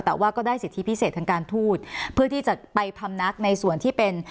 แต่ว่าก็ได้สิทธิพิเศษทางการทูตเพื่อที่จะไปพำนักในส่วนที่เป็น